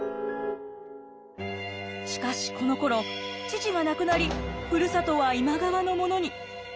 しかしこのころ父が亡くなりふるさとは今川のものに。